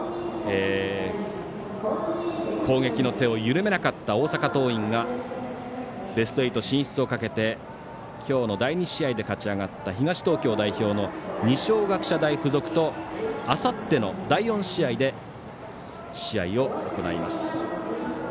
攻撃の手を緩めなかった大阪桐蔭ベスト８進出をかけて今日の第２試合で勝ち上がった東東京代表の二松学舎大付属とあさっての第４試合で試合を行います。